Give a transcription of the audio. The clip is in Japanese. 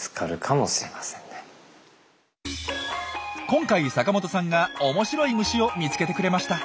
今回阪本さんが面白い虫を見つけてくれました。